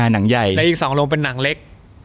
และอีก๒โรงเป็นหนังเล็ก